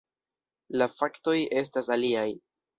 La faktoj estas aliaj.